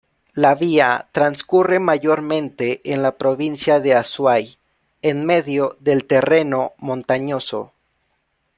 La vía transcurre mayormente en la provincia de Azuay, en medio del terreno montañoso.